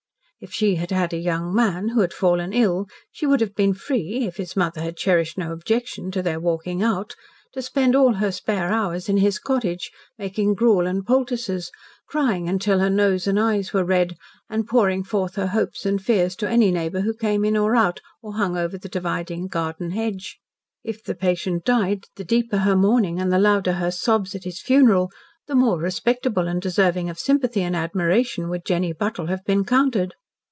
If she had had "a young man" who had fallen ill she would have been free if his mother had cherished no objection to their "walking out" to spend all her spare hours in his cottage, making gruel and poultices, crying until her nose and eyes were red, and pouring forth her hopes and fears to any neighbour who came in or out or hung over the dividing garden hedge. If the patient died, the deeper her mourning and the louder her sobs at his funeral the more respectable and deserving of sympathy and admiration would Jenny Buttle have been counted.